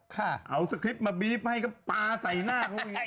คุณเอาสคริปต์มาบี๊บให้กำปลาใส่หน้าก็โง่งยิ่ง